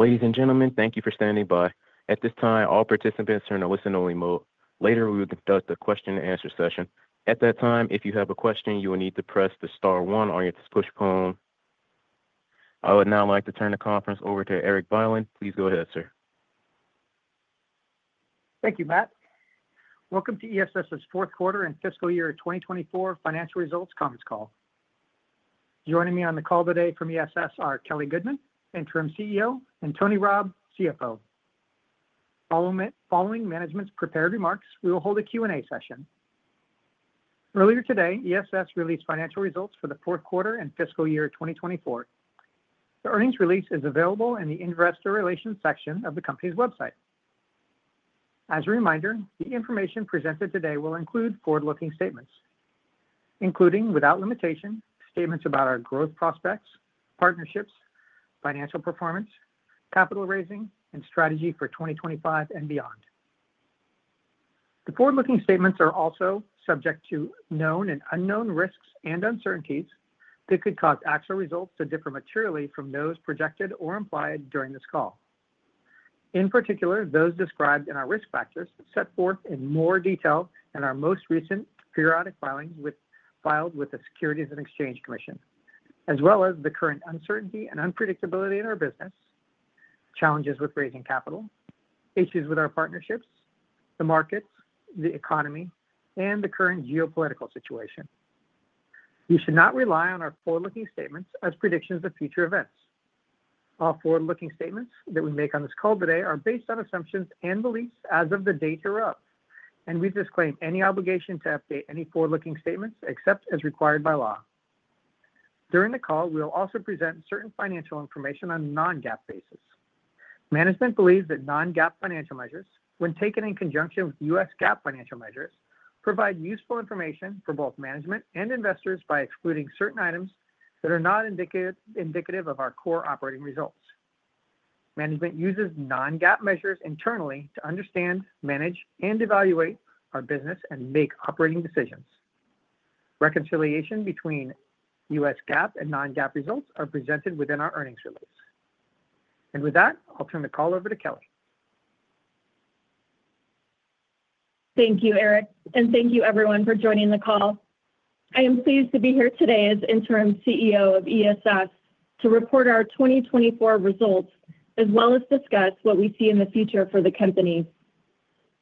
Ladies and gentlemen, thank you for standing by. At this time, all participants are in a listen-only mode. Later, we will conduct a question-and-answer session. At that time, if you have a question, you will need to press the star 1 on your push-button. I would now like to turn the conference over to Erik Bylin. Please go ahead, sir. Thank you, Matt. Welcome to ESS's Q4 and Fiscal Year 2024 Financial Results Conference Call. Joining me on the call today from ESS are Kelly Goodman, Interim CEO, and Tony Rabb, CFO. Following management's prepared remarks, we will hold a Q&A session. Earlier today, ESS released financial results for the Q4 and fiscal year 2024. The earnings release is available in the investor relations section of the company's website. As a reminder, the information presented today will include forward-looking statements, including without limitation statements about our growth prospects, partnerships, financial performance, capital raising, and strategy for 2025 and beyond. The forward-looking statements are also subject to known and unknown risks and uncertainties that could cause actual results to differ materially from those projected or implied during this call. In particular, those described in our risk factors set forth in more detail in our most recent periodic filings filed with the Securities and Exchange Commission, as well as the current uncertainty and unpredictability in our business, challenges with raising capital, issues with our partnerships, the markets, the economy, and the current geopolitical situation. You should not rely on our forward-looking statements as predictions of future events. All forward-looking statements that we make on this call today are based on assumptions and beliefs as of the date hereof, and we disclaim any obligation to update any forward-looking statements except as required by law. During the call, we will also present certain financial information on a non-GAAP basis. Management believes that non-GAAP financial measures, when taken in conjunction with U.S. GAAP financial measures, provide useful information for both management and investors by excluding certain items that are not indicative of our core operating results. Management uses non-GAAP measures internally to understand, manage, and evaluate our business and make operating decisions. Reconciliation between U.S. GAAP and non-GAAP results are presented within our earnings release. With that, I'll turn the call over to Kelly. Thank you, Erik, and thank you, everyone, for joining the call. I am pleased to be here today as Interim CEO of ESS to report our 2024 results as well as discuss what we see in the future for the company.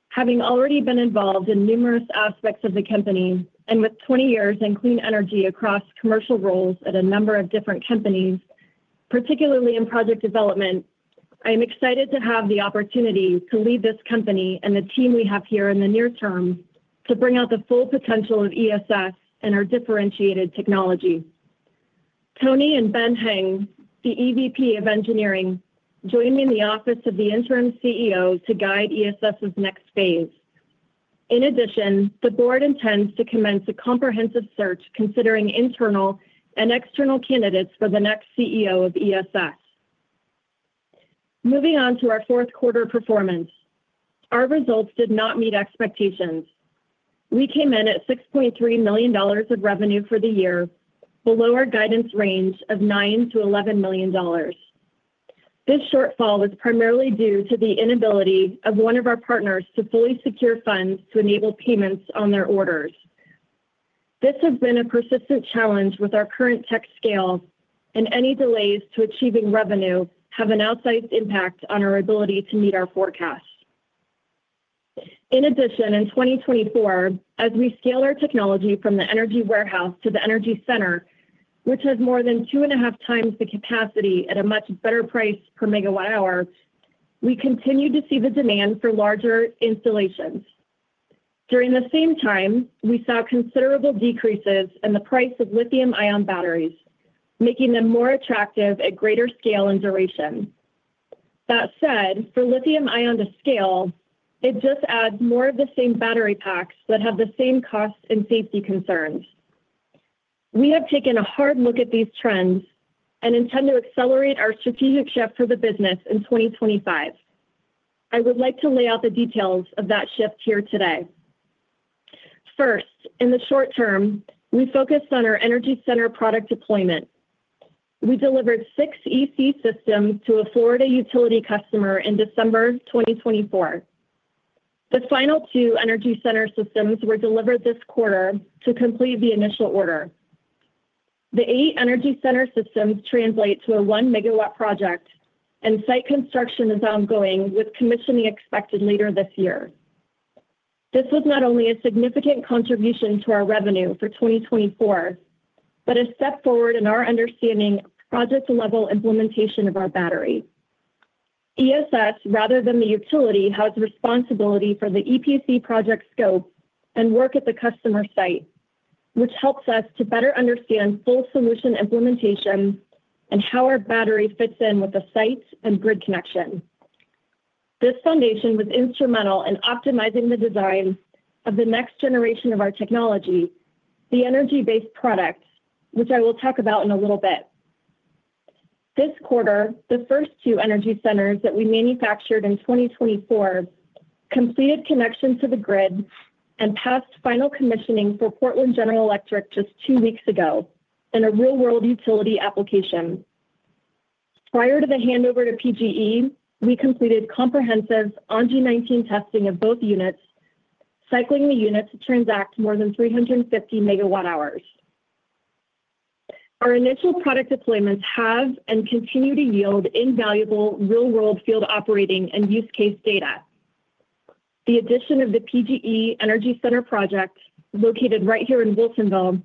Having already been involved in numerous aspects of the company and with 20 years in clean energy across commercial roles at a number of different companies, particularly in project development, I am excited to have the opportunity to lead this company and the team we have here in the near term to bring out the full potential of ESS and our differentiated technology. Tony and Ben Heng, the EVP of Engineering, join me in the office of the Interim CEO to guide ESS's next phase. In addition, the board intends to commence a comprehensive search considering internal and external candidates for the next CEO of ESS. Moving on to our Q4 performance, our results did not meet expectations. We came in at $6.3 million of revenue for the year, below our guidance range of $9-$11 million. This shortfall was primarily due to the inability of one of our partners to fully secure funds to enable payments on their orders. This has been a persistent challenge with our current tech scale, and any delays to achieving revenue have an outsized impact on our ability to meet our forecasts. In addition, in 2024, as we scale our technology from the Energy Warehouse to the Energy Center, which has more than two and a half times the capacity at a much better price per MWh, we continue to see the demand for larger installations. During the same time, we saw considerable decreases in the price of lithium-ion batteries, making them more attractive at greater scale and duration. That said, for lithium-ion to scale, it just adds more of the same battery packs that have the same costs and safety concerns. We have taken a hard look at these trends and intend to accelerate our strategic shift for the business in 2025. I would like to lay out the details of that shift here today. First, in the short term, we focused on our Energy Center product deployment. We delivered six EC systems to a Florida utility customer in December 2024. The final two Energy Center systems were delivered this quarter to complete the initial order. The eight Energy Center systems translate to a one-megawatt project, and site construction is ongoing, with commissioning expected later this year. This was not only a significant contribution to our revenue for 2024, but a step forward in our understanding of project-level implementation of our battery. ESS, rather than the utility, has responsibility for the EPC project scope and work at the customer site, which helps us to better understand full solution implementation and how our battery fits in with the site and grid connection. This foundation was instrumental in optimizing the design of the next generation of our technology, the Energy Base product, which I will talk about in a little bit. This quarter, the first two Energy Centers that we manufactured in 2024 completed connections to the grid and passed final commissioning for Portland General Electric just two weeks ago in a real-world utility application. Prior to the handover to PGE, we completed comprehensive IEC 62619 testing of both units, cycling the units to transact more than 350 MWh. Our initial product deployments have and continue to yield invaluable real-world field operating and use case data. The addition of the PGE Energy Center project, located right here in Wilsonville,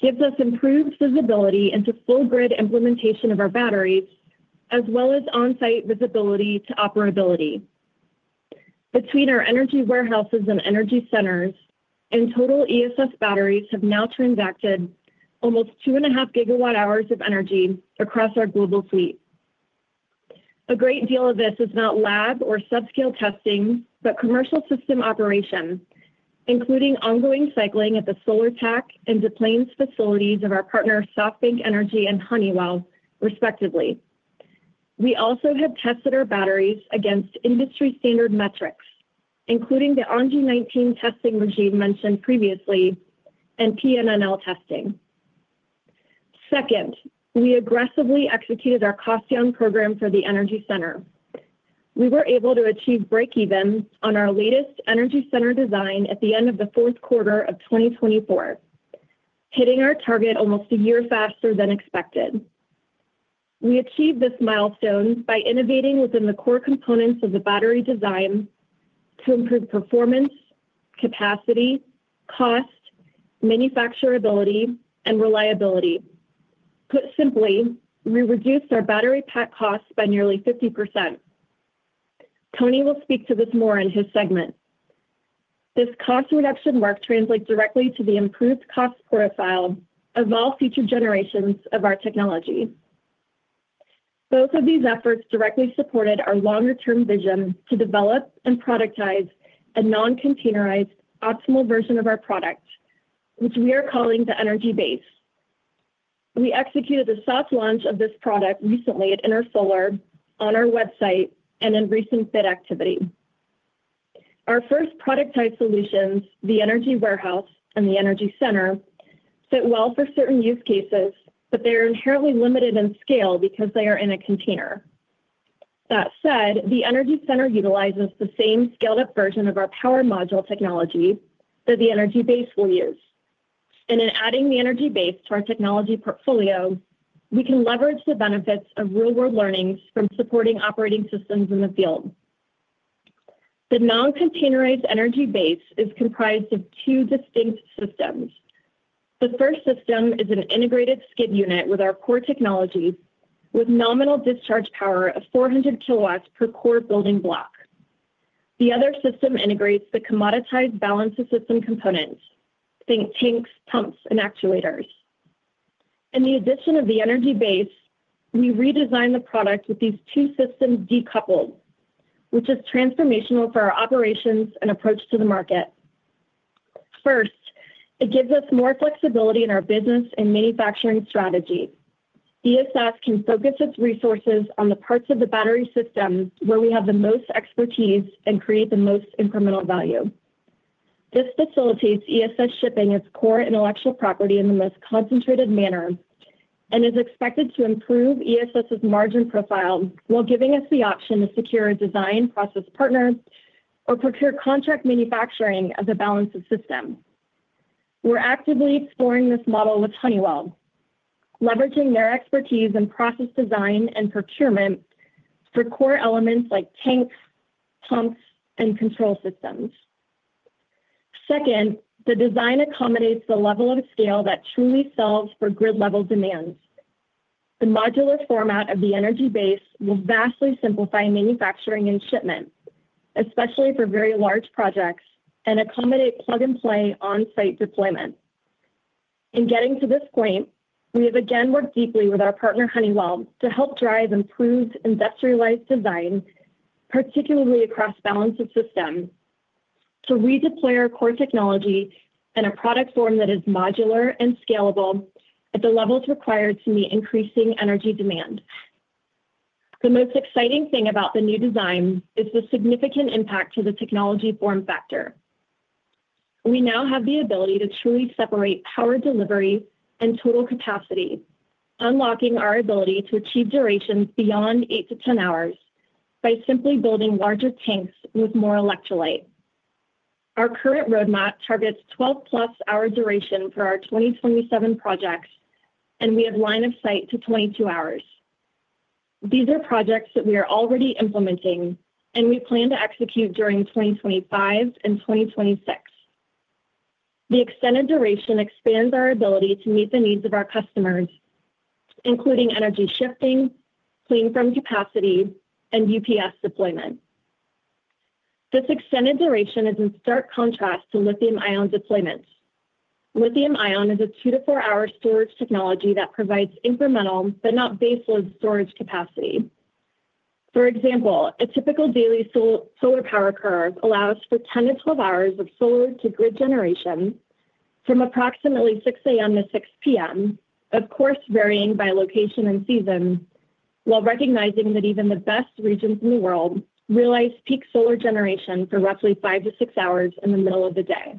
gives us improved visibility into full grid implementation of our batteries, as well as on-site visibility to operability. Between our Energy Warehouses and Energy Centers, in total, ESS batteries have now transacted almost two and a half GWh of energy across our global fleet. A great deal of this is not lab or subscale testing, but commercial system operation, including ongoing cycling at the SolarTAC and Des Plaines facilities of our partners, SoftBank Energy and Honeywell, respectively. We also have tested our batteries against industry-standard metrics, including the IEC 62619 testing regime mentioned previously and PNNL testing. Second, we aggressively executed our cost down program for the Energy Center. We were able to achieve break-even on our latest Energy Center design at the end of the Q4 of 2024, hitting our target almost a year faster than expected. We achieved this milestone by innovating within the core components of the battery design to improve performance, capacity, cost, manufacturability, and reliability. Put simply, we reduced our battery pack costs by nearly 50%. Tony will speak to this more in his segment. This cost reduction mark translates directly to the improved cost profile of all future generations of our technology. Both of these efforts directly supported our longer-term vision to develop and productize a non-containerized, optimal version of our product, which we are calling the Energy Base. We executed the soft launch of this product recently at Intersolar on our website and in recent bid activity. Our first product-type solutions, the Energy Warehouse and the Energy Center, fit well for certain use cases, but they are inherently limited in scale because they are in a container. That said, the Energy Center utilizes the same scaled-up version of our power module technology that the Energy Base will use. In adding the Energy Base to our technology portfolio, we can leverage the benefits of real-world learnings from supporting operating systems in the field. The non-containerized Energy Base is comprised of two distinct systems. The first system is an integrated skid unit with our core technologies, with nominal discharge power of 400 kW per core building block. The other system integrates the commoditized balance of system components, think tanks, pumps, and actuators. In the addition of the Energy Base, we redesigned the product with these two systems decoupled, which is transformational for our operations and approach to the market. First, it gives us more flexibility in our business and manufacturing strategy. ESS can focus its resources on the parts of the battery system where we have the most expertise and create the most incremental value. This facilitates ESS shipping its core intellectual property in the most concentrated manner and is expected to improve ESS's margin profile while giving us the option to secure a design process partner or procure contract manufacturing of the balance of system. We're actively exploring this model with Honeywell, leveraging their expertise in process design and procurement for core elements like tanks, pumps, and control systems. Second, the design accommodates the level of scale that truly solves for grid-level demands. The modular format of the Energy Base will vastly simplify manufacturing and shipment, especially for very large projects, and accommodate plug-and-play on-site deployment. In getting to this point, we have again worked deeply with our partner, Honeywell, to help drive improved industrialized design, particularly across balance of system, to redeploy our core technology in a product form that is modular and scalable at the levels required to meet increasing energy demand. The most exciting thing about the new design is the significant impact to the technology form factor. We now have the ability to truly separate power delivery and total capacity, unlocking our ability to achieve durations beyond 8-10 hours by simply building larger tanks with more electrolyte. Our current roadmap targets 12-plus hour duration for our 2027 projects, and we have line of sight to 22 hours. These are projects that we are already implementing, and we plan to execute during 2025 and 2026. The extended duration expands our ability to meet the needs of our customers, including energy shifting, clean firm capacity, and UPS deployment. This extended duration is in stark contrast to lithium-ion deployments. Lithium-ion is a two to four-hour storage technology that provides incremental but not baseload storage capacity. For example, a typical daily solar power curve allows for 10 to 12 hours of solar to grid generation from approximately 6:00 A.M. to 6:00 P.M., of course varying by location and season, while recognizing that even the best regions in the world realize peak solar generation for roughly five to six hours in the middle of the day.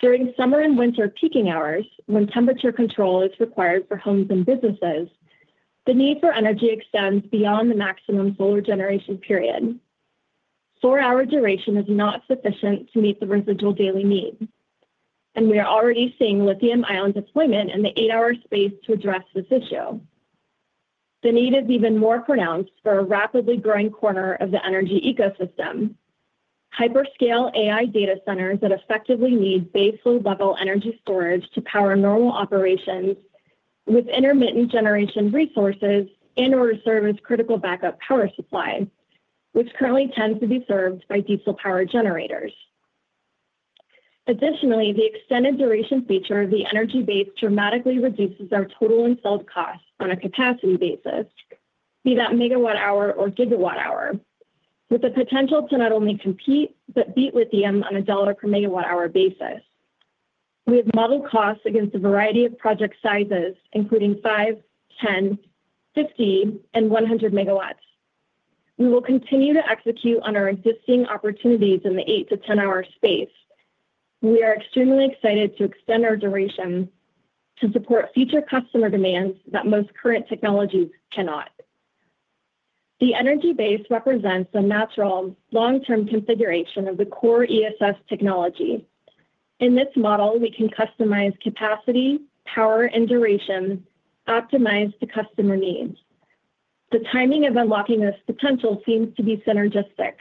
During summer and winter peaking hours, when temperature control is required for homes and businesses, the need for energy extends beyond the maximum solar generation period. Four-hour duration is not sufficient to meet the residual daily need, and we are already seeing lithium-ion deployment in the eight-hour space to address this issue. The need is even more pronounced for a rapidly growing corner of the energy ecosystem: hyperscale AI data centers that effectively need baseload-level energy storage to power normal operations with intermittent generation resources in order to serve as critical backup power supply, which currently tends to be served by diesel power generators. Additionally, the extended duration feature of the Energy Base dramatically reduces our total installed costs on a capacity basis, be that MWh or GWh, with the potential to not only compete but beat lithium on a dollar per MWh basis. We have modeled costs against a variety of project sizes, including 5, 10, 50, and 100 MW. We will continue to execute on our existing opportunities in the 8-10-hour space. We are extremely excited to extend our duration to support future customer demands that most current technologies cannot. The Energy Base represents a natural long-term configuration of the core ESS technology. In this model, we can customize capacity, power, and duration, optimized to customer needs. The timing of unlocking this potential seems to be synergistic.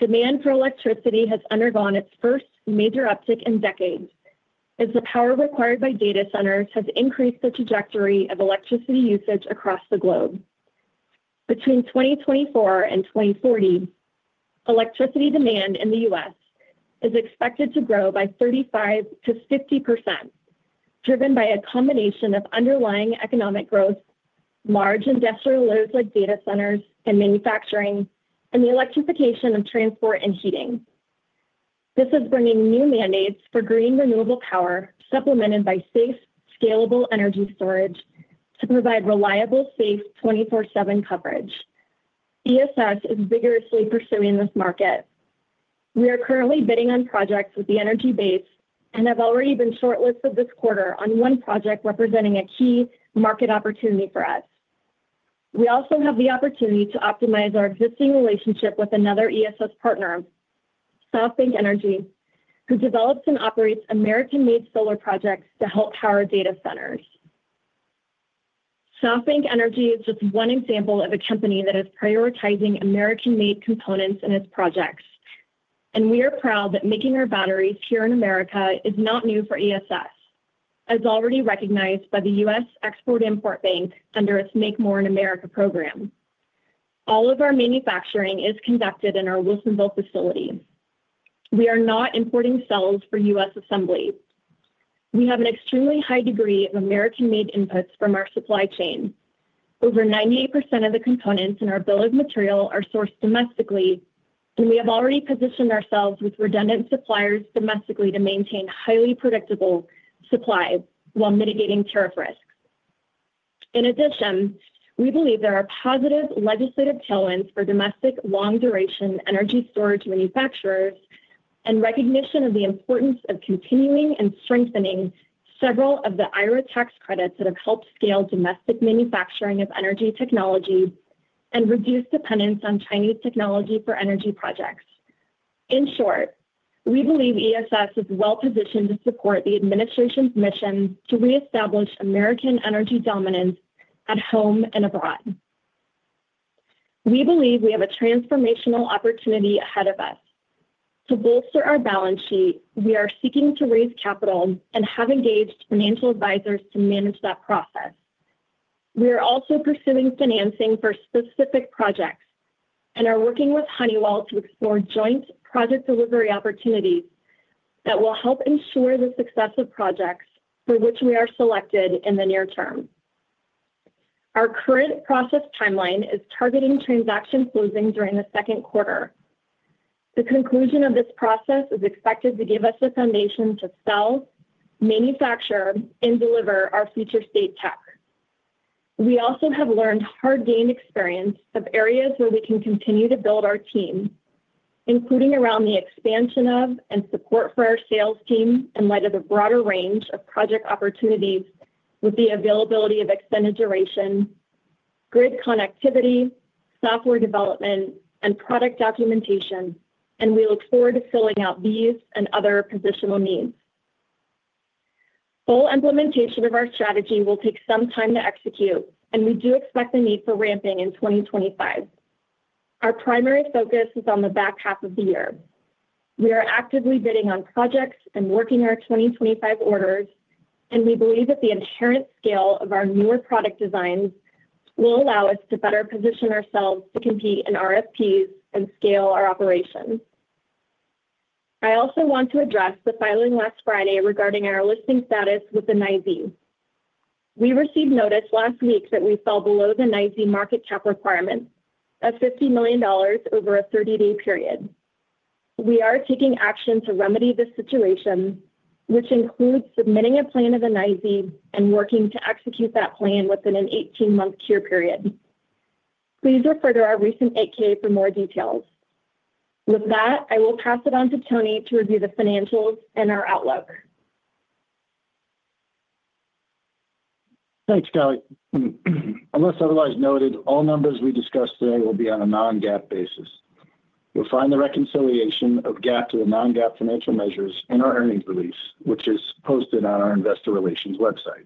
Demand for electricity has undergone its first major uptick in decades as the power required by data centers has increased the trajectory of electricity usage across the globe. Between 2024 and 2040, electricity demand in the U.S. is expected to grow by 35%-50%, driven by a combination of underlying economic growth, large industrial loads like data centers and manufacturing, and the electrification of transport and heating. This is bringing new mandates for green renewable power supplemented by safe, scalable energy storage to provide reliable, safe 24/7 coverage. ESS is vigorously pursuing this market. We are currently bidding on projects with the Energy Base and have already been shortlisted this quarter on one project representing a key market opportunity for us. We also have the opportunity to optimize our existing relationship with another ESS partner, SoftBank Energy, who develops and operates American-made solar projects to help power data centers. SoftBank Energy is just one example of a company that is prioritizing American-made components in its projects, and we are proud that making our batteries here in America is not new for ESS, as already recognized by the U.S. Export-Import Bank under its Make More in America program. All of our manufacturing is conducted in our Wilsonville facility. We are not importing cells for U.S. assembly. We have an extremely high degree of American-made inputs from our supply chain. Over 98% of the components in our bill of material are sourced domestically, and we have already positioned ourselves with redundant suppliers domestically to maintain highly predictable supplies while mitigating tariff risks. In addition, we believe there are positive legislative tailwinds for domestic long-duration energy storage manufacturers and recognition of the importance of continuing and strengthening several of the IRA tax credits that have helped scale domestic manufacturing of energy technology and reduce dependence on Chinese technology for energy projects. In short, we believe ESS is well positioned to support the administration's mission to reestablish American energy dominance at home and abroad. We believe we have a transformational opportunity ahead of us. To bolster our balance sheet, we are seeking to raise capital and have engaged financial advisors to manage that process. We are also pursuing financing for specific projects and are working with Honeywell to explore joint project delivery opportunities that will help ensure the success of projects for which we are selected in the near term. Our current process timeline is targeting transaction closing during the Q2. The conclusion of this process is expected to give us the foundation to sell, manufacture, and deliver our future state tech. We also have learned hard-gained experience of areas where we can continue to build our team, including around the expansion of and support for our sales team in light of the broader range of project opportunities with the availability of extended duration, grid connectivity, software development, and product documentation, and we look forward to filling out these and other positional needs. Full implementation of our strategy will take some time to execute, and we do expect the need for ramping in 2025. Our primary focus is on the back half of the year. We are actively bidding on projects and working our 2025 orders, and we believe that the inherent scale of our newer product designs will allow us to better position ourselves to compete in RFPs and scale our operations. I also want to address the filing last Friday regarding our listing status with the New York Stock Exchange. We received notice last week that we fell below the New York Stock Exchange market cap requirement of $50 million over a 30-day period. We are taking action to remedy this situation, which includes submitting a plan to the New York Stock Exchange and working to execute that plan within an 18-month cure period. Please refer to our recent 8-K for more details. With that, I will pass it on to Tony to review the financials and our outlook. Thanks, Kelly. Unless otherwise noted, all numbers we discussed today will be on a non-GAAP basis. You'll find the reconciliation of GAAP to the non-GAAP financial measures in our earnings release, which is posted on our investor relations website.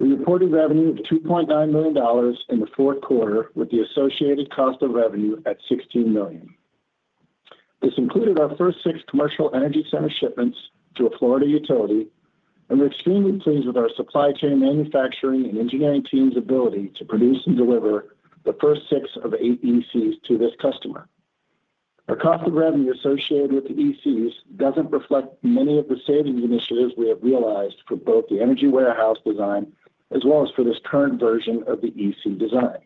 We reported revenue of $2.9 million in the fourth quarter, with the associated cost of revenue at $16 million. This included our first six commercial Energy Center shipments to a Florida utility, and we're extremely pleased with our supply chain, manufacturing, and engineering team's ability to produce and deliver the first six of eight ECs to this customer. Our cost of revenue associated with the ECs doesn't reflect many of the savings initiatives we have realized for both the Energy Warehouse design as well as for this current version of the EC design.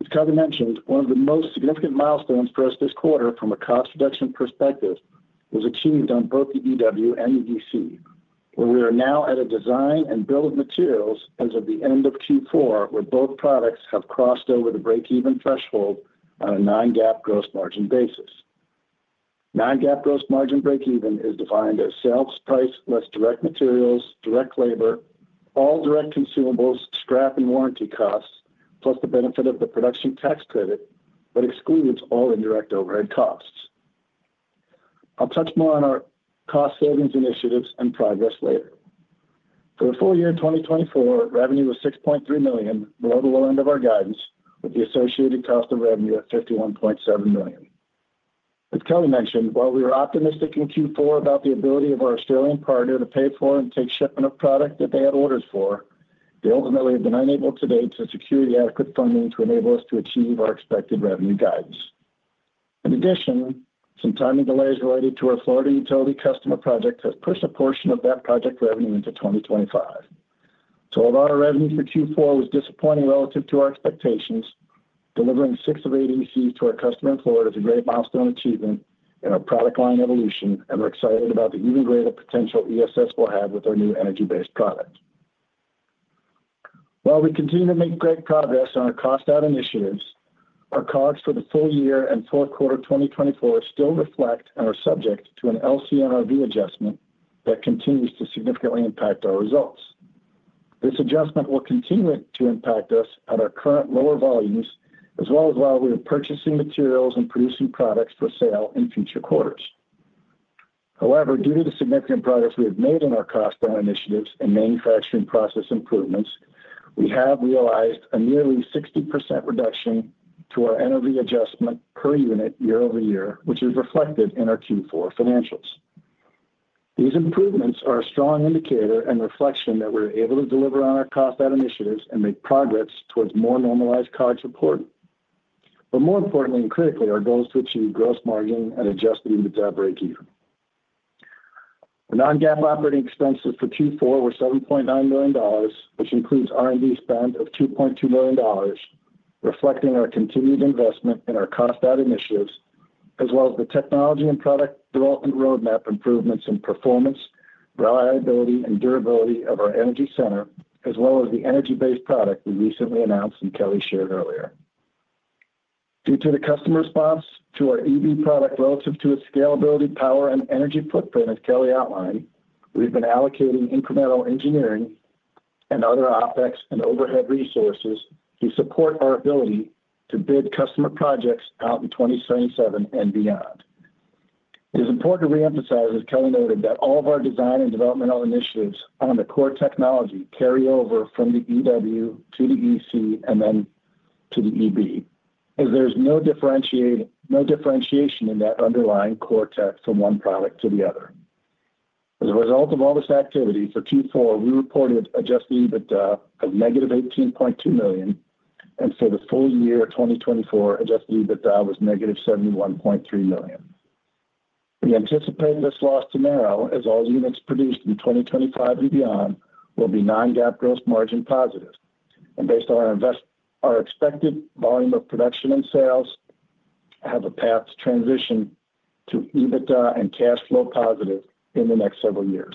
As Kelly mentioned, one of the most significant milestones for us this quarter from a cost reduction perspective was achieved on both the EW and the EC, where we are now at a design and bill of materials as of the end of Q4, where both products have crossed over the break-even threshold on a non-GAAP gross margin basis. Non-GAAP gross margin break-even is defined as sales price less direct materials, direct labor, all direct consumables, scrap and warranty costs, plus the benefit of the production tax credit, but excludes all indirect overhead costs. I'll touch more on our cost savings initiatives and progress later. For the full year 2024, revenue was $6.3 million, below the low end of our guidance, with the associated cost of revenue at $51.7 million. As Kelly mentioned, while we were optimistic in Q4 about the ability of our Australian partner to pay for and take shipment of product that they had orders for, they ultimately have been unable today to secure the adequate funding to enable us to achieve our expected revenue guidance. In addition, some timing delays related to our Florida utility customer project have pushed a portion of that project revenue into 2025. While our revenue for Q4 was disappointing relative to our expectations, delivering six of eight ECs to our customer in Florida is a great milestone achievement in our product line evolution, and we're excited about the even greater potential ESS will have with our new Energy Base product. While we continue to make great progress on our cost out initiatives, our costs for the full year and Q4 2024 still reflect and are subject to an LCNRV adjustment that continues to significantly impact our results. This adjustment will continue to impact us at our current lower volumes, as well as while we are purchasing materials and producing products for sale in future quarters. However, due to the significant progress we have made in our cost plan initiatives and manufacturing process improvements, we have realized a nearly 60% reduction to our NRV adjustment per unit year over year, which is reflected in our Q4 financials. These improvements are a strong indicator and reflection that we're able to deliver on our cost out initiatives and make progress towards more normalized cost reporting. More importantly and critically, our goal is to achieve gross margin and adjusted EBITDA break-even. The non-GAAP operating expenses for Q4 were $7.9 million, which includes R&D spend of $2.2 million, reflecting our continued investment in our cost out initiatives, as well as the technology and product development roadmap improvements in performance, reliability, and durability of our Energy Center, as well as the Energy Base product we recently announced and Kelly shared earlier. Due to the customer response to our EB product relative to its scalability, power, and energy footprint, as Kelly outlined, we've been allocating incremental engineering and other OpEx and overhead resources to support our ability to bid customer projects out in 2027 and beyond. It is important to reemphasize, as Kelly noted, that all of our design and developmental initiatives on the core technology carry over from the EW to the EC and then to the EB, as there is no differentiation in that underlying core tech from one product to the other. As a result of all this activity for Q4, we reported adjusted EBITDA of negative $18.2 million, and for the full year 2024, adjusted EBITDA was negative $71.3 million. We anticipate this loss to narrow as all units produced in 2025 and beyond will be non-GAAP gross margin positive, and based on our expected volume of production and sales, have a path to transition to EBITDA and cash flow positive in the next several years.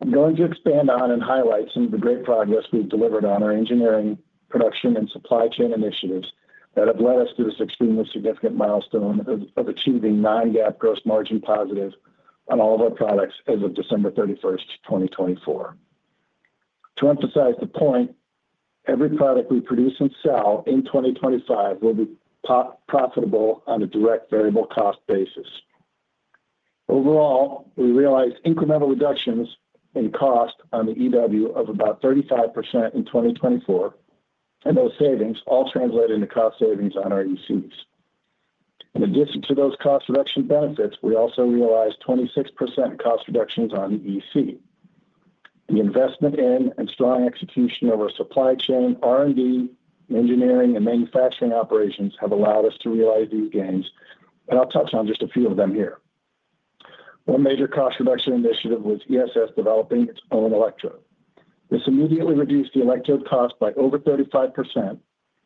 I'm going to expand on and highlight some of the great progress we've delivered on our engineering, production, and supply chain initiatives that have led us to this extremely significant milestone of achieving non-GAAP gross margin positive on all of our products as of December 31st, 2024. To emphasize the point, every product we produce and sell in 2025 will be profitable on a direct variable cost basis. Overall, we realized incremental reductions in cost on the EW of about 35% in 2024, and those savings all translate into cost savings on our ECs. In addition to those cost reduction benefits, we also realized 26% cost reductions on the EC. The investment in and strong execution of our supply chain, R&D, engineering, and manufacturing operations have allowed us to realize these gains, and I'll touch on just a few of them here. One major cost reduction initiative was ESS developing its own electrode. This immediately reduced the electrode cost by over 35%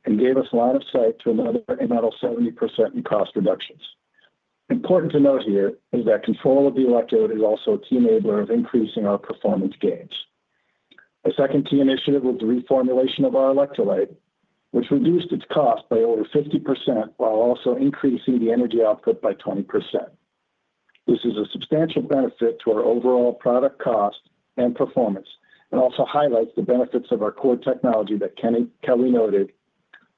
and gave us line of sight to another, material 70% in cost reductions. Important to note here is that control of the electrode is also a key enabler of increasing our performance gains. A second key initiative was the reformulation of our electrolyte, which reduced its cost by over 50% while also increasing the energy output by 20%. This is a substantial benefit to our overall product cost and performance and also highlights the benefits of our core technology that Kelly noted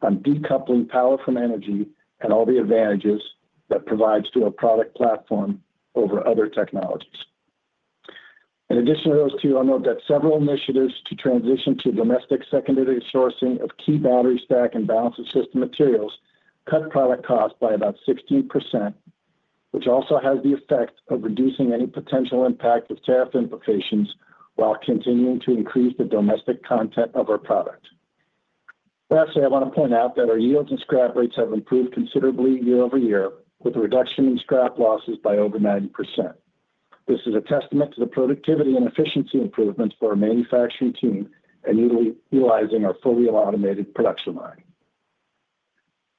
on decoupling power from energy and all the advantages that provides to a product platform over other technologies. In addition to those two, I'll note that several initiatives to transition to domestic secondary sourcing of key battery stack and balance of system materials cut product costs by about 16%, which also has the effect of reducing any potential impact of tariff implications while continuing to increase the domestic content of our product. Lastly, I want to point out that our yields and scrap rates have improved considerably year over year, with a reduction in scrap losses by over 90%. This is a testament to the productivity and efficiency improvements for our manufacturing team and utilizing our fully automated production line.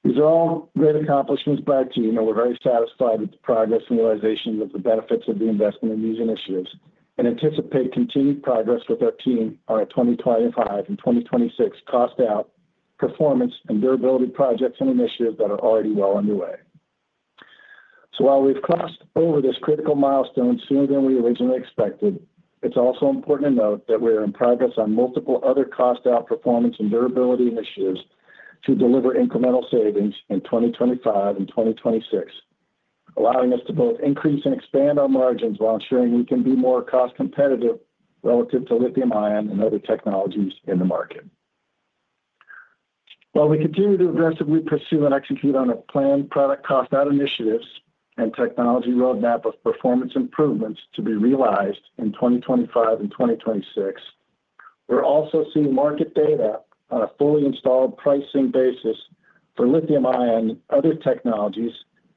These are all great accomplishments by our team, and we're very satisfied with the progress and realization of the benefits of the investment in these initiatives and anticipate continued progress with our team on our 2025 and 2026 cost out performance and durability projects and initiatives that are already well underway. While we've crossed over this critical milestone sooner than we originally expected, it's also important to note that we are in progress on multiple other cost out performance and durability initiatives to deliver incremental savings in 2025 and 2026, allowing us to both increase and expand our margins while ensuring we can be more cost competitive relative to lithium-ion and other technologies in the market. While we continue to aggressively pursue and execute on our planned product cost out initiatives and technology roadmap of performance improvements to be realized in 2025 and 2026, we're also seeing market data on a fully installed pricing basis for lithium-ion and other technologies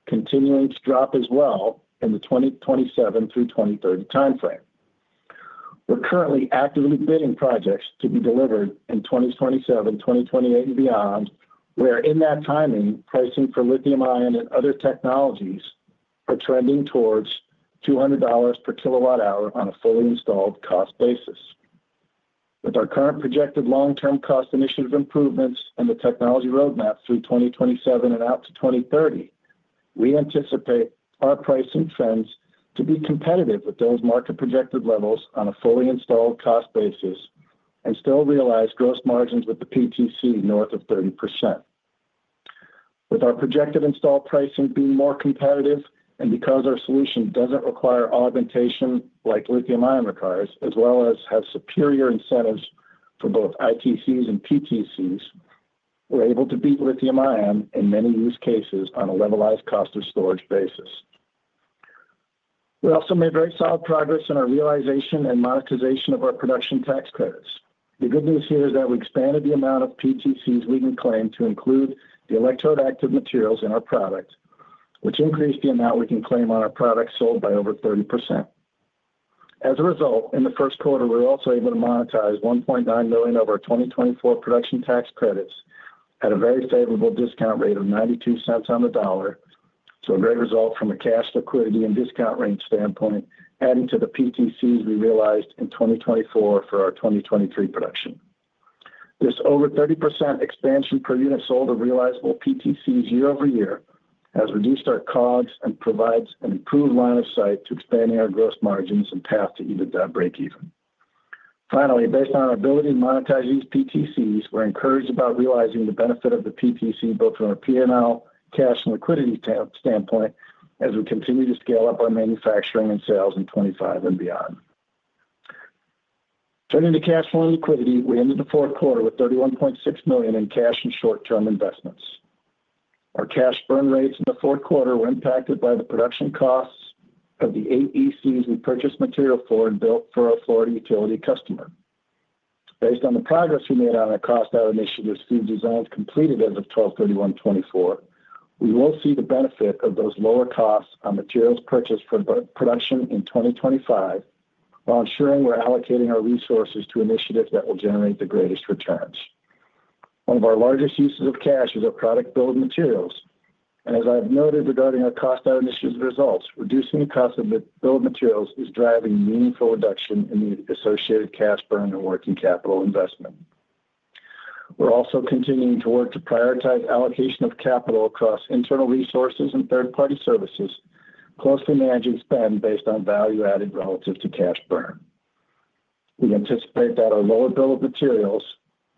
continuing to drop as well in the 2027-2030 timeframe. We're currently actively bidding projects to be delivered in 2027, 2028, and beyond, where in that timing, pricing for lithium-ion and other technologies are trending towards $200 per kWh on a fully installed cost basis. With our current projected long-term cost initiative improvements and the technology roadmap through 2027 and out to 2030, we anticipate our pricing trends to be competitive with those market projected levels on a fully installed cost basis and still realize gross margins with the PTC north of 30%. With our projected installed pricing being more competitive and because our solution doesn't require augmentation like lithium-ion requires, as well as has superior incentives for both ITCs and PTCs, we're able to beat lithium-ion in many use cases on a levelized cost of storage basis. We also made very solid progress in our realization and monetization of our production tax credits. The good news here is that we expanded the amount of PTCs we can claim to include the electrode active materials in our product, which increased the amount we can claim on our product sold by over 30%. As a result, in the Q4, we were also able to monetize $1.9 million of our 2024 production tax credits at a very favorable discount rate of $0.92 on the dollar, so a great result from a cash liquidity and discount range standpoint, adding to the PTCs we realized in 2024 for our 2023 production. This over 30% expansion per unit sold of realizable PTCs year over year has reduced our costs and provides an improved line of sight to expanding our gross margins and path to EBITDA break-even. Finally, based on our ability to monetize these PTCs, we're encouraged about realizing the benefit of the PTC both from a P&L, cash, and liquidity standpoint as we continue to scale up our manufacturing and sales in 2025 and beyond. Turning to cash flow and liquidity, we ended the Q4 with $31.6 million in cash and short-term investments. Our cash burn rates in the Q4 were impacted by the production costs of the eight ECs we purchased material for and built for our Florida utility customer. Based on the progress we made on our cost out initiatives through designs completed as of December 31, 2024, we will see the benefit of those lower costs on materials purchased for production in 2025 while ensuring we're allocating our resources to initiatives that will generate the greatest returns. One of our largest uses of cash is our product build materials, and as I've noted regarding our cost out initiative results, reducing the cost of the build materials is driving meaningful reduction in the associated cash burn and working capital investment. We're also continuing to work to prioritize allocation of capital across internal resources and third-party services, closely managing spend based on value added relative to cash burn. We anticipate that our lower build materials,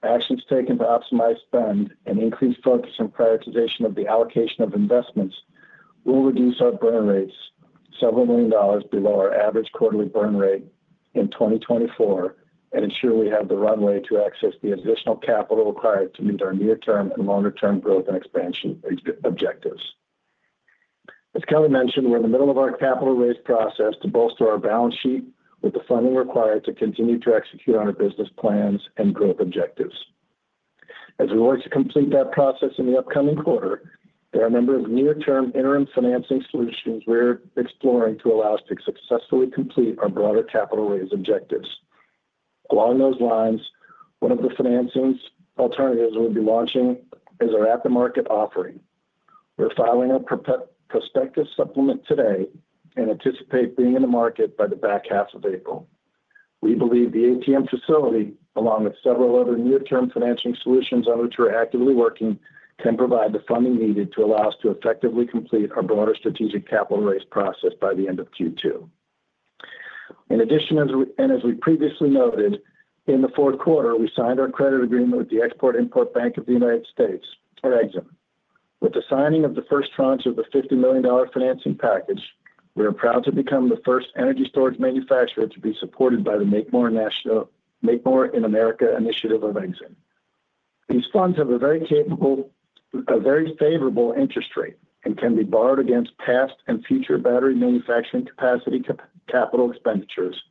actions taken to optimize spend, and increased focus and prioritization of the allocation of investments will reduce our burn rates several million dollars below our average quarterly burn rate in 2024 and ensure we have the runway to access the additional capital required to meet our near-term and longer-term growth and expansion objectives. As Kelly mentioned, we're in the middle of our capital raise process to bolster our balance sheet with the funding required to continue to execute on our business plans and growth objectives. As we work to complete that process in the upcoming quarter, there are a number of near-term interim financing solutions we're exploring to allow us to successfully complete our broader capital raise objectives. Along those lines, one of the financing alternatives we'll be launching is our at-the-market offering. We're filing a prospectus supplement today and anticipate being in the market by the back half of April. We believe the ATM facility, along with several other near-term financing solutions on which we're actively working, can provide the funding needed to allow us to effectively complete our broader strategic capital raise process by the end of Q2. In addition, as we previously noted, in the Q4, we signed our credit agreement with the Export-Import Bank of the United States, or EXIM. With the signing of the first tranche of the $50 million financing package, we are proud to become the first energy storage manufacturer to be supported by the Make More in America initiative of EXIM. These funds have a very favorable interest rate and can be borrowed against past and future battery manufacturing capacity capital expenditures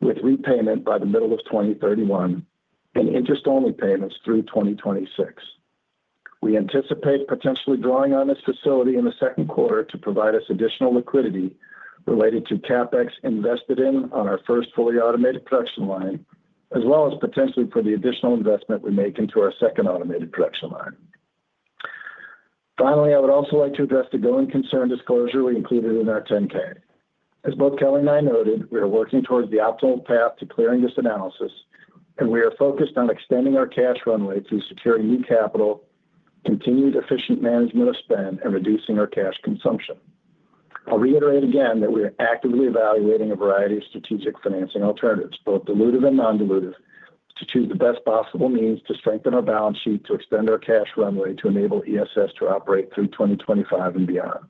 with repayment by the middle of 2031 and interest-only payments through 2026. We anticipate potentially drawing on this facility in the Q2 to provide us additional liquidity related to CapEx invested in on our first fully automated production line, as well as potentially for the additional investment we make into our second automated production line. Finally, I would also like to address the going concern disclosure we included in our 10-K. As both Kelly and I noted, we are working towards the optimal path to clearing this analysis, and we are focused on extending our cash runway through securing new capital, continued efficient management of spend, and reducing our cash consumption. I'll reiterate again that we are actively evaluating a variety of strategic financing alternatives, both dilutive and non-dilutive, to choose the best possible means to strengthen our balance sheet to extend our cash runway to enable ESS to operate through 2025 and beyond.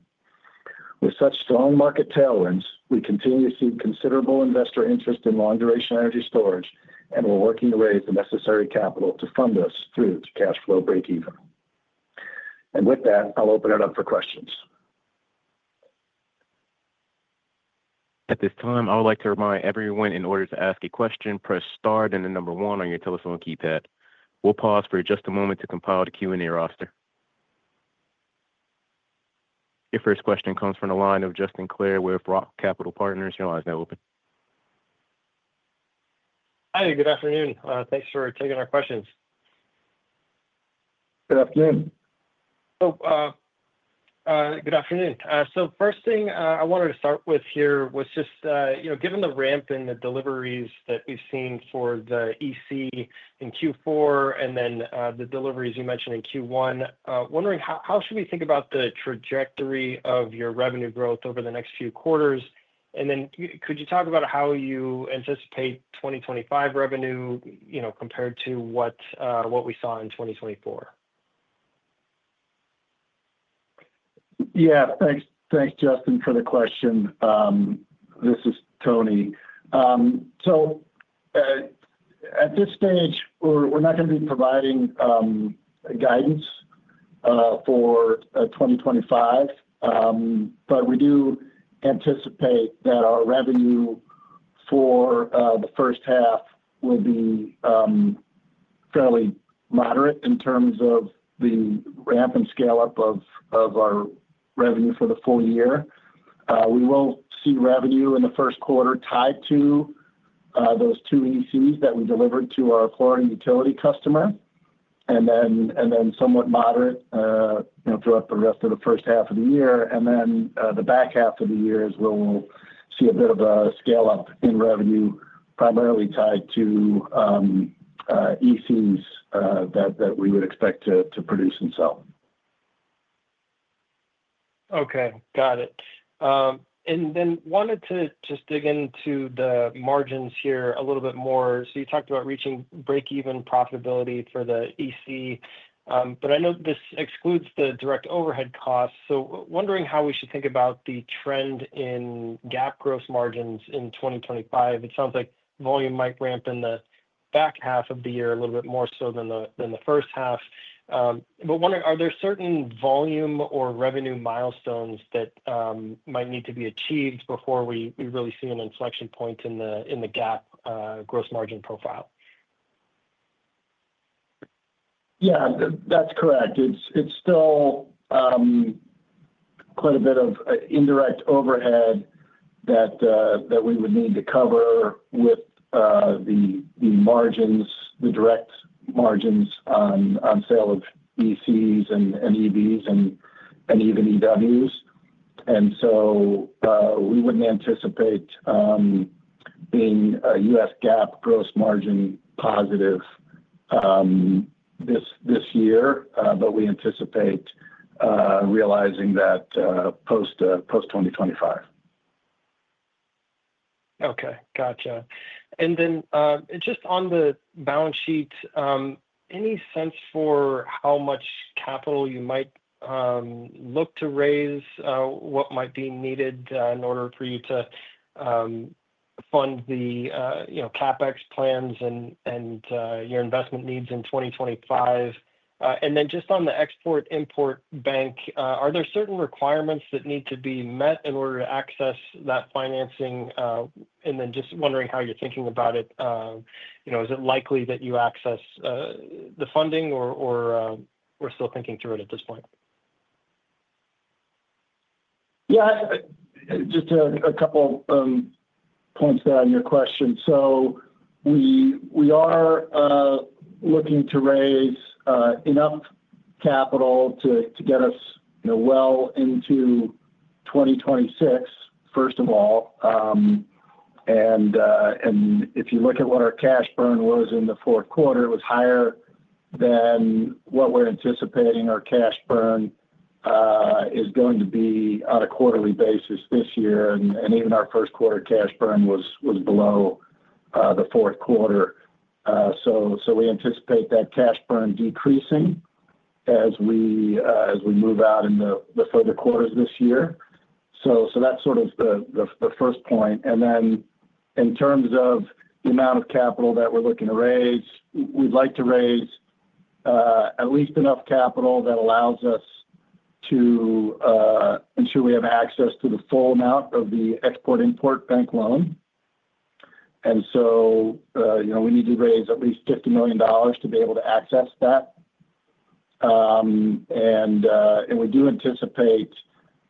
With such strong market tailwinds, we continue to see considerable investor interest in long-duration energy storage, and we're working to raise the necessary capital to fund us through to cash flow break-even. With that, I'll open it up for questions. At this time, I would like to remind everyone in order to ask a question, press Star then the number one on your telephone keypad. We'll pause for just a moment to compile the Q&A roster. Your first question comes from the line of Justin Clare with Roth Capital Partners. Your line's now open. Hi. Good afternoon. Thanks for taking our questions. Good afternoon. Good afternoon. First thing I wanted to start with here was just, given the ramp in the deliveries that we've seen for the EC in Q4 and then the deliveries you mentioned in Q1, wondering how should we think about the trajectory of your revenue growth over the next few quarters? Could you talk about how you anticipate 2025 revenue compared to what we saw in 2024? Yeah. Thanks, Justin, for the question. This is Tony. At this stage, we're not going to be providing guidance for 2025, but we do anticipate that our revenue for the first half will be fairly moderate in terms of the ramp and scale-up of our revenue for the full year. We will see revenue in the Q1 tied to those two ECs that we delivered to our Florida utility customer, and then somewhat moderate throughout the rest of the first half of the year. The back half of the year is where we'll see a bit of a scale-up in revenue, primarily tied to ECs that we would expect to produce and sell. Okay. Got it. I wanted to just dig into the margins here a little bit more. You talked about reaching break-even profitability for the EC, but I know this excludes the direct overhead costs. I am wondering how we should think about the trend in GAAP gross margins in 2025. It sounds like volume might ramp in the back half of the year a little bit more so than the first half. Are there certain volume or revenue milestones that might need to be achieved before we really see an inflection point in the GAAP gross margin profile? Yeah. That's correct. It's still quite a bit of indirect overhead that we would need to cover with the direct margins on sale of ECs and EVs and even EWs. We would not anticipate being a U.S. GAAP gross margin positive this year, but we anticipate realizing that post-2025. Okay. Gotcha. Just on the balance sheet, any sense for how much capital you might look to raise, what might be needed in order for you to fund the CapEx plans and your investment needs in 2025? Just on the Export-Import Bank, are there certain requirements that need to be met in order to access that financing? Just wondering how you're thinking about it. Is it likely that you access the funding, or we're still thinking through it at this point? Yeah. Just a couple of points on your question. We are looking to raise enough capital to get us well into 2026, first of all. If you look at what our cash burn was in the Q4, it was higher than what we're anticipating our cash burn is going to be on a quarterly basis this year. Even our Q4 cash burn was below the Q4. We anticipate that cash burn decreasing as we move out in the further quarters this year. That is sort of the first point. Then in terms of the amount of capital that we're looking to raise, we'd like to raise at least enough capital that allows us to ensure we have access to the full amount of the Export-Import Bank loan. We need to raise at least $50 million to be able to access that. We do anticipate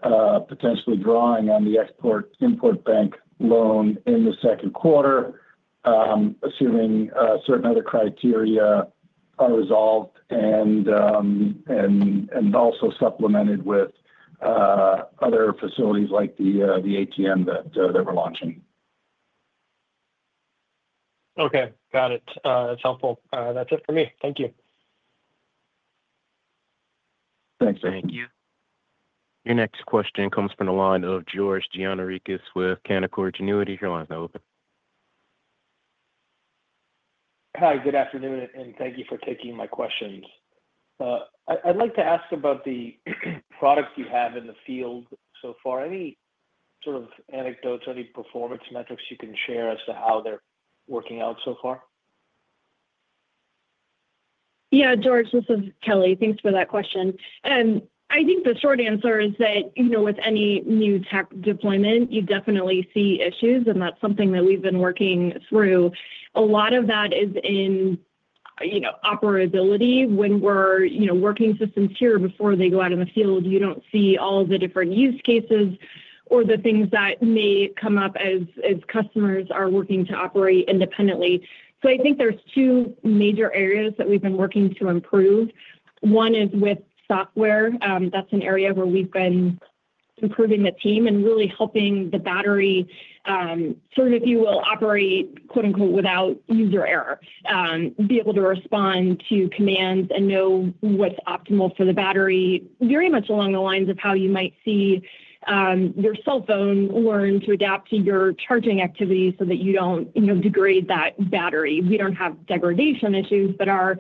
potentially drawing on the Export-Import Bank loan in the Q2, assuming certain other criteria are resolved and also supplemented with other facilities like the ATM that we're launching. Okay. Got it. That's helpful. That's it for me. Thank you. Thanks, Justin. Thank you. Your next question comes from the line of George Gianarikas with Canaccord Genuity. Your line's now open. Hi. Good afternoon, and thank you for taking my questions. I'd like to ask about the product you have in the field so far. Any sort of anecdotes or any performance metrics you can share as to how they're working out so far? Yeah. George, this is Kelly. Thanks for that question. I think the short answer is that with any new tech deployment, you definitely see issues, and that's something that we've been working through. A lot of that is in operability. When we're working systems here before they go out in the field, you don't see all the different use cases or the things that may come up as customers are working to operate independently. I think there's two major areas that we've been working to improve. One is with software. That's an area where we've been improving the team and really helping the battery sort of, if you will, operate "without user error," be able to respond to commands and know what's optimal for the battery, very much along the lines of how you might see your cell phone learn to adapt to your charging activity so that you don't degrade that battery. We don't have degradation issues, but our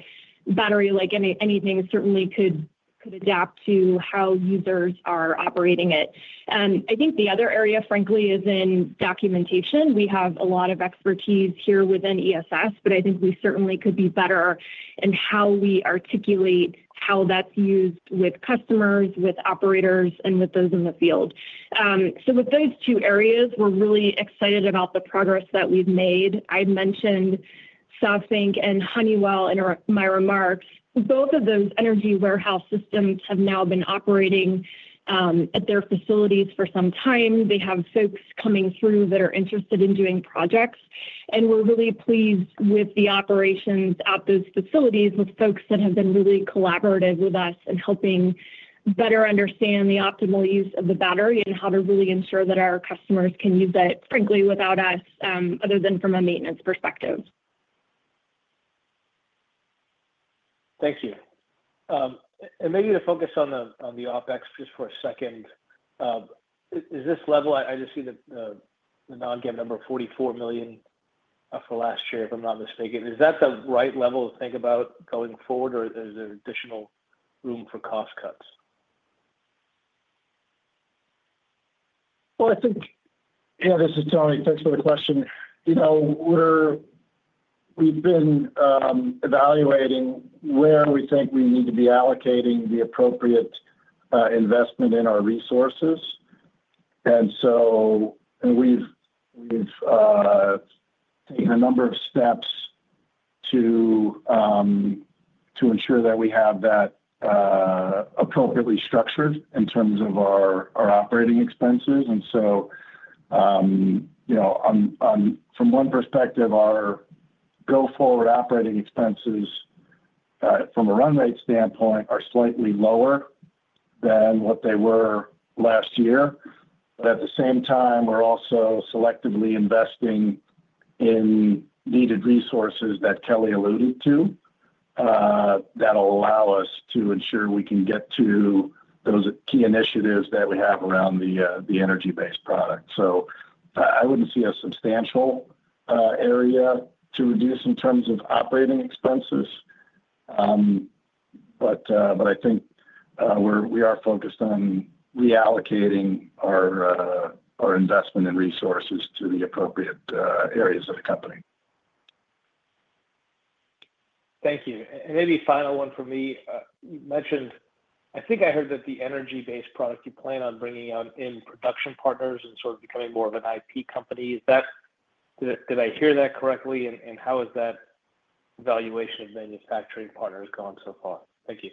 battery, like anything, certainly could adapt to how users are operating it. I think the other area, frankly, is in documentation. We have a lot of expertise here within ESS, but I think we certainly could be better in how we articulate how that's used with customers, with operators, and with those in the field. With those two areas, we're really excited about the progress that we've made. I mentioned SoftBank and Honeywell in my remarks. Both of those Energy Warehouse systems have now been operating at their facilities for some time. They have folks coming through that are interested in doing projects. We are really pleased with the operations at those facilities with folks that have been really collaborative with us and helping better understand the optimal use of the battery and how to really ensure that our customers can use it, frankly, without us, other than from a maintenance perspective. Thank you. Maybe to focus on the OpEx just for a second, is this level, I just see the non-GAAP number of $44 million for last year, if I'm not mistaken. Is that the right level to think about going forward, or is there additional room for cost cuts? I think, yeah, this is Tony. Thanks for the question. We've been evaluating where we think we need to be allocating the appropriate investment in our resources. We've taken a number of steps to ensure that we have that appropriately structured in terms of our operating expenses. From one perspective, our go-forward operating expenses from a run rate standpoint are slightly lower than what they were last year. At the same time, we're also selectively investing in needed resources that Kelly alluded to that will allow us to ensure we can get to those key initiatives that we have around the Energy Base product. I wouldn't see a substantial area to reduce in terms of operating expenses. I think we are focused on reallocating our investment and resources to the appropriate areas of the company. Thank you. Maybe final one for me. You mentioned, I think I heard that the Energy Base product you plan on bringing out in production partners and sort of becoming more of an IP company. Did I hear that correctly? How has that evaluation of manufacturing partners gone so far? Thank you.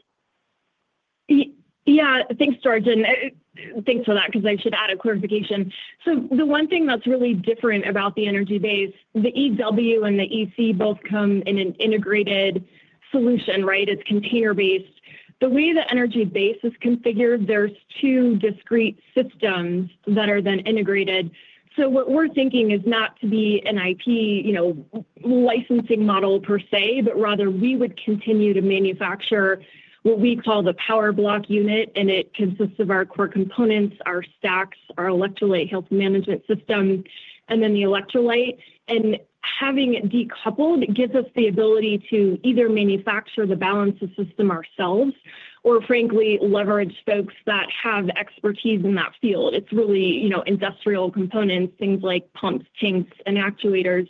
Yeah. Thanks, George. Thanks for that because I should add a clarification. The one thing that's really different about the Energy Base, the EW and the EC both come in an integrated solution, right? It's container-based. The way the Energy Base is configured, there's two discrete systems that are then integrated. What we're thinking is not to be an IP licensing model per se, but rather we would continue to manufacture what we call the power block unit, and it consists of our core components, our stacks, our electrolyte health management system, and then the electrolyte. Having it decoupled gives us the ability to either manufacture the balance of system ourselves or, frankly, leverage folks that have expertise in that field. It is really industrial components, things like pumps, tanks, and actuators.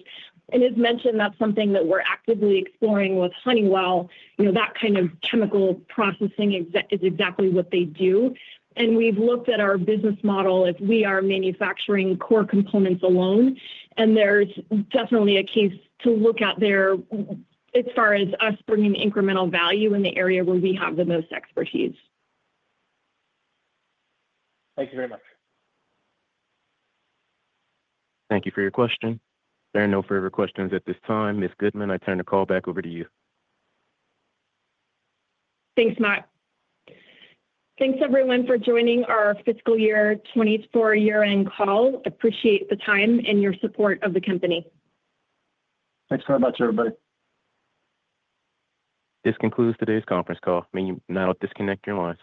As mentioned, that is something that we are actively exploring with Honeywell. That kind of chemical processing is exactly what they do. We have looked at our business model if we are manufacturing core components alone, and there is definitely a case to look at there as far as us bringing incremental value in the area where we have the most expertise. Thank you very much. Thank you for your question. There are no further questions at this time. Ms. Goodman, I turn the call back over to you. Thanks, Matt. Thanks, everyone, for joining our fiscal year 2024 year-end call. Appreciate the time and your support of the company. Thanks very much, everybody. This concludes today's conference call. You may now disconnect your lines.